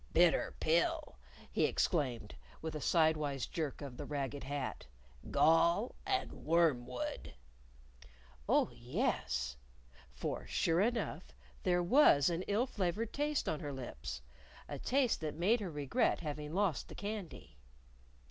"Bitter pill!" he exclaimed, with a sidewise jerk of the ragged hat. "Gall and wormwood!" "Oh, yes!" For sure enough! there was an ill flavored taste on her lips a taste that made her regret having lost the candy.